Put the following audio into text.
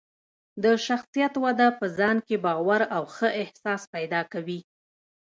د شخصیت وده په ځان کې باور او ښه احساس پیدا کوي.